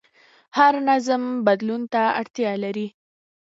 هر نظام بدلون ته اړتیا لري